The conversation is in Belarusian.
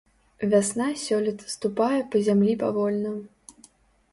Вясна сёлета ступае па зямлі павольна.